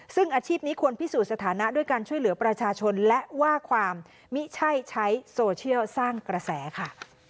ซึ่งอาชีพนี้ควรพิสูจน์สถานะด้วยการช่วยเหลือประชาชนและว่าความมิใช่ใช้โซเชียลสร้างกระแสค่ะ